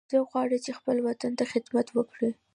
څوک غواړي چې خپل وطن ته خدمت وکړي